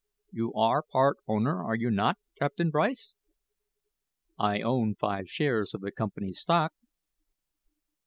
"You are part owner, are you not, Captain Bryce?" "I own five shares of the company's stock."